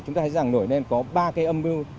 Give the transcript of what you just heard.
chúng ta hãy rằng nổi nên có ba âm mưu